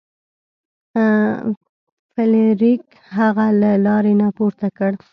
فلیریک هغه له لارې نه پورته کړ.